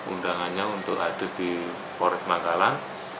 undangannya untuk ada di polres bangkalan